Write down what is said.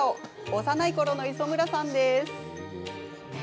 幼いころの磯村さんです。